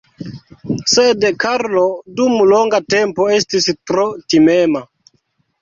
Sed Karlo dum longa tempo estis tro timema.